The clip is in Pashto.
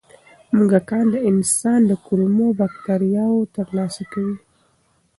موږکان د انسان د کولمو بکتریاوو ترلاسه کوي.